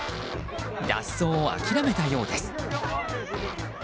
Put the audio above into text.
脱走を諦めたようです。